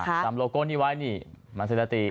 ตามโลโก้นี้ไว้นี่มันเศรษฐี